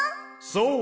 そう！